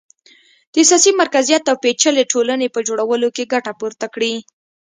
د سیاسي مرکزیت او پېچلې ټولنې په جوړولو کې ګټه پورته کړي